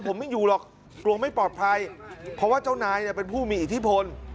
ผมไม่อยู่หรอกกลัวไม่ปลอดภัยเพราะว่าเจ้านายเนี่ยเป็นผู้มีอิทธิพล